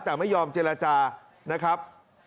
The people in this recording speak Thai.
แต่ไม่ยอมเจรจานะครับ